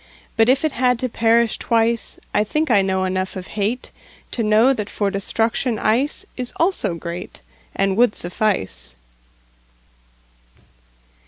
But if it had to perish twice,I think I know enough of hateTo know that for destruction iceIs also greatAnd would suffice.